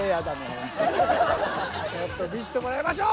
ちょっと見せてもらいましょう！